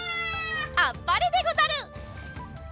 あっぱれでござる！